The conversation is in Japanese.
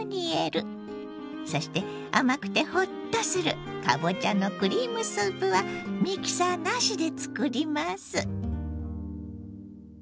そして甘くてホッとするかぼちゃのクリームスープはミキサーなしで作ります！